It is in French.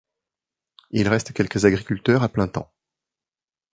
Il reste quelques agriculteurs à plein temps.